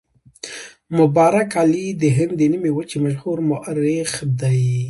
مبارک علي د هند د نیمې وچې مشهور مورخ دی.